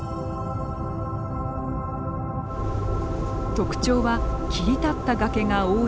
特徴は切り立った崖が多いこと。